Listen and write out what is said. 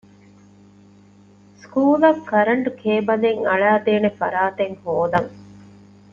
ސްކޫލަށް ކަރަންޓް ކޭބަލެއް އަޅައިދޭނެ ފަރާތެއް ހޯދަން